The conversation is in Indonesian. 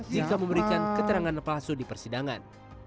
jika memberikan keterangan palsu di persidangan